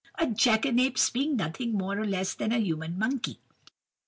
a jackanapes being nothing more nor less than a human monkey.